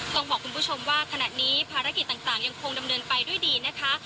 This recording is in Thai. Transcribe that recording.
ต้องบอกคุณผู้ชมว่าขณะนี้ภารกิจต่างยังคงดำเนินไปด้วยดีนะคะ